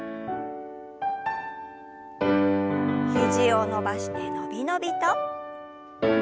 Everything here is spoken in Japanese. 肘を伸ばして伸び伸びと。